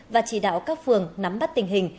và chỉ đạo các phường nắm bắt tình hình